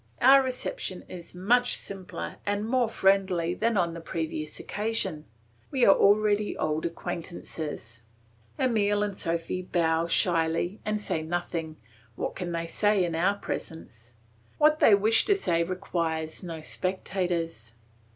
Our reception is much simpler and more friendly than on the previous occasion; we are already old acquaintances. Emile and Sophy bow shyly and say nothing; what can they say in our presence? What they wish to say requires no spectators.